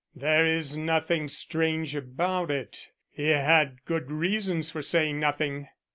"There is nothing strange about it. He had good reasons for saying nothing."